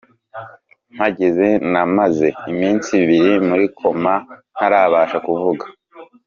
Mpageze namaze iminsi ibiri muri koma ntarabasha kuvuga